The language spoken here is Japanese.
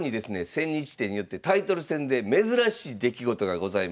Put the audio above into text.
千日手によってタイトル戦で珍しい出来事がございました。